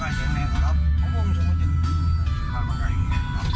ไม่มีนะครับไม่มีนะครับ